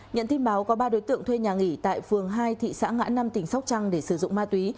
nhận tin báo có ba đối tượng thuê nhà nghỉ tại phường hai thị xã ngã năm tỉnh sóc trăng để sử dụng ma túy